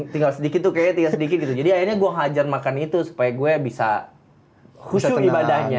tinggal sedikit tuh kayaknya tinggal sedikit gitu jadi akhirnya gue hajar makan itu supaya gue bisa khusus ibadahnya